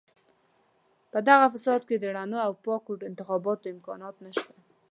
په دغه فساد کې د رڼو او پاکو انتخاباتو امکانات نشته.